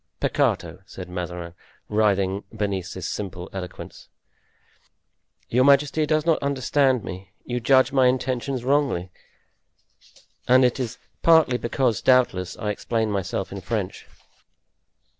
"Peccato!" said Mazarin, writhing beneath this simple eloquence, "your majesty does not understand me; you judge my intentions wrongly, and that is partly because, doubtless, I explain myself in French."